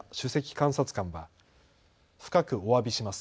監察官は深くおわびします。